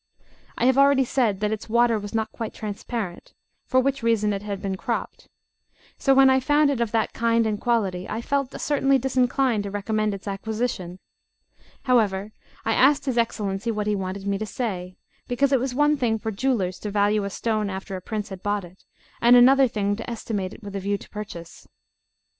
I have already said that its water was not quite transparent, for which reason it had been cropped; so, when I found it of that kind and quality, I felt certainly disinclined to recommend its acquisition. However, I asked his Excellency what he wanted me to say; because it was one thing for jewellers to value a stone after a prince had bought it, and another thing to estimate it with a view to purchase.